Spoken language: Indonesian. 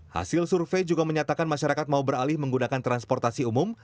hasil survei juga menyatakan masyarakat mau beralih menggunakan transportasi umum